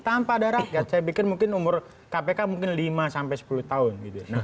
tanpa ada rakyat saya pikir mungkin umur kpk mungkin lima sampai sepuluh tahun